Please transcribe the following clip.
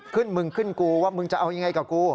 มึงขึ้นกูว่ามึงจะเอายังไงกับกู